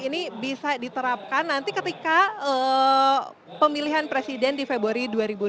ini bisa diterapkan nanti ketika pemilihan presiden di februari dua ribu dua puluh